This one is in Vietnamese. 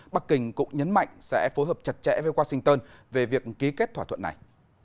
bắc kinh cũng nhấn mạnh sẽ phối hợp chặt chẽ với washington về việc ký kết thỏa thuận này